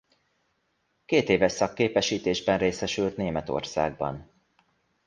Kétéves szakképesítésben részesült Németországban.